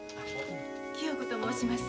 清子と申します。